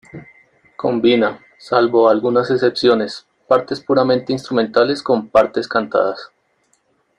Combina, salvo algunas excepciones, partes puramente instrumentales con partes cantadas.